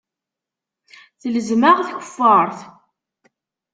Telzem-aɣ tkeffart.